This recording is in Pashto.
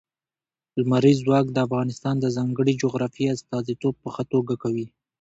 لمریز ځواک د افغانستان د ځانګړي جغرافیې استازیتوب په ښه توګه کوي.